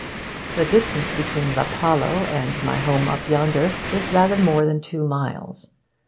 The distance between Rapallo and my home up yonder is rather more than two miles.